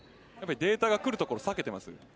データが来るところを避けています。